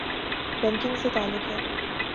Banking سے تعلق ہے۔